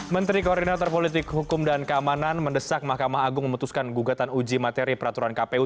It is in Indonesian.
menteri koordinator politik hukum dan keamanan mendesak mahkamah agung memutuskan gugatan uji materi peraturan kpu